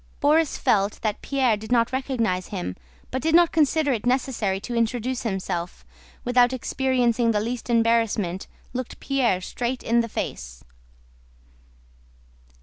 Borís felt that Pierre did not recognize him but did not consider it necessary to introduce himself, and without experiencing the least embarrassment looked Pierre straight in the face.